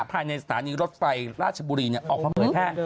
ภายในสถานีรถไฟราชบุรีเนี่ยออกมาเมื่อแพทย์